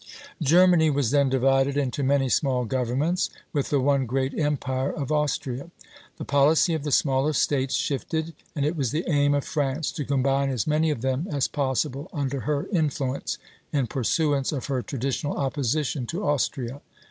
Germany was then divided into many small governments, with the one great empire of Austria. The policy of the smaller States shifted, and it was the aim of France to combine as many of them as possible under her influence, in pursuance of her traditional opposition to Austria.